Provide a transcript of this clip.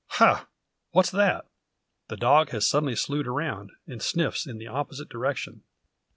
Ha! what's that?" The dog has suddenly slewed round, and sniffs in the opposite direction.